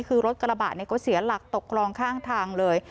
คือรถกระบะก็เสียหลักตกคลองข้างทางเลย